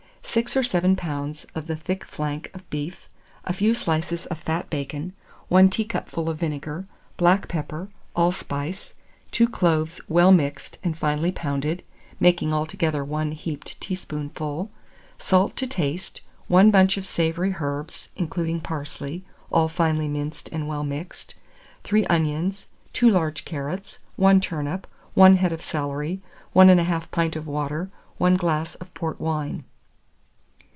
6 or 7 lbs. of the thick flank of beef, a few slices of fat bacon, 1 teacupful of vinegar, black pepper, allspice, 2 cloves well mixed and finely pounded, making altogether 1 heaped teaspoonful; salt to taste, 1 bunch of savoury herbs, including parsley, all finely minced and well mixed; 3 onions, 2 large carrots, 1 turnip, 1 head of celery, 1 1/2 pint of water, 1 glass of port wine.